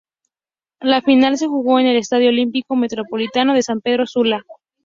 La final se jugó en el Estadio Olímpico Metropolitano de San Pedro Sula.